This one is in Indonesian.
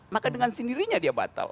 maka dengan sendirinya dia batal